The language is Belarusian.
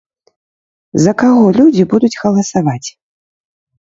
За каго людзі будуць галасаваць?